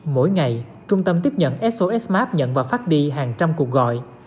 mỗi ngày trung tâm tiếp nhận sos maps nhận và phát đi hàng trăm cuộc gọi